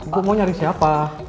bu mau nyari siapa